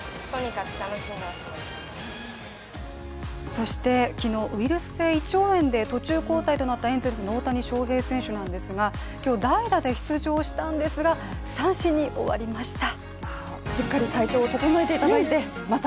そして昨日、ウイルス性胃腸炎で途中交代となったエンゼルスの大谷翔平選手なんですが今日、代打で出場したんですが三振に終わりました。